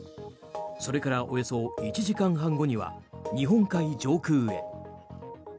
それからおよそ１時間半後には日本海上空へ。